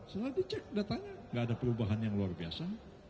setelah dicek datanya tidak ada perubahan yang luar biasa